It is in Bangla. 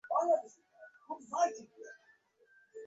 বিদায়কালে শশী ভাইকে কথা দিয়া গিয়াছিল, আবার দেখা হইবে।